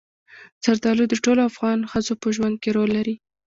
زردالو د ټولو افغان ښځو په ژوند کې رول لري.